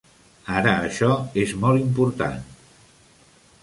Ara això és molt important.